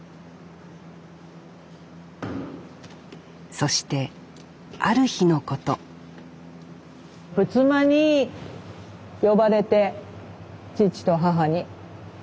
そしてある日のこと仏間に呼ばれて父と母に。